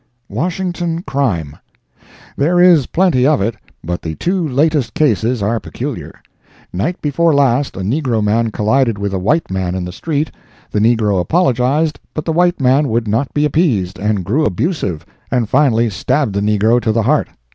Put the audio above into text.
Washington Crime. There is plenty of it, but the two latest cases are peculiar. Night before last a negro man collided with a white man in the street; the negro apologized, but the white man would not be appeased, and grew abusive, and finally stabbed the negro to the heart.